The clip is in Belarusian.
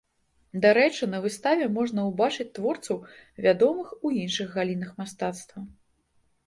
Дарэчы, на выставе можна ўбачыць творцаў, вядомых у іншых галінах мастацтва.